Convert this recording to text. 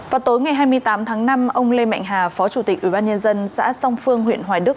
vào tối ngày hai mươi tám tháng năm ông lê mạnh hà phó chủ tịch ubnd xã song phương huyện hoài đức